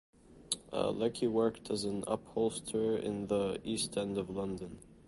Leckie worked as an upholsterer in the East End of London.